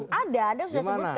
gimana saya menyatakan itu